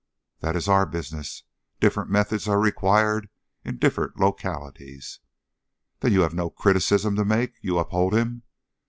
"That is our business. Different methods are required in different localities." "Then you have no criticism to make you uphold him?"